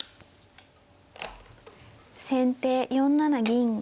先手４七銀。